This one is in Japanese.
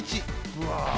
うわ！